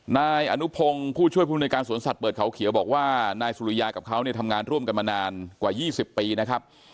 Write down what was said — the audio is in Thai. นายอนุพงศ์ผู้ช่วยภูมิในการสวนสัตว์เปิดเขาเขียวบอกว่านายสุริยากับเขาเนี่ยทำงานร่วมกันมานานกว่า๒๐ปีนะครับ